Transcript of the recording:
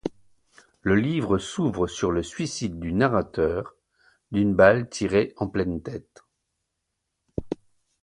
Le livre s'ouvre sur le suicide du narrateur, d'une balle tirée en pleine tête.